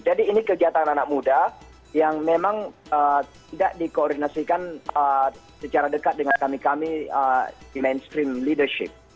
jadi ini kegiatan anak muda yang memang tidak dikoordinasikan secara dekat dengan kami kami mainstream leadership